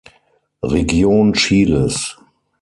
Region Chiles.